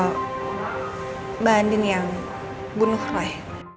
mbak andin yang bunuh roy